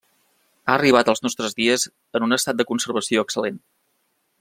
Ha arribat als nostres dies en un estat de conservació excel·lent.